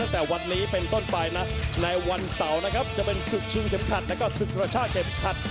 ตั้งแต่วันนี้เป็นต้นปลายนะในวันเสาร์นะครับจะเป็นศึกชิงกำคัดและก็ศึกราชาเก็บคัด